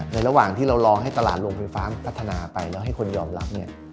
ระหว่างที่เรารอให้ตลาดโรงไฟฟ้าพัฒนาไปแล้วให้คนยอมรับเนี่ย